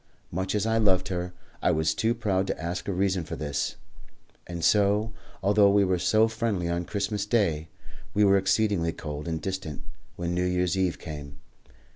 Much as I loved her, I was too proud to ask a reason for this, and so, although we were so friendly on Christmas Day, we were exceedingly cold and distant when New Year's Eve came.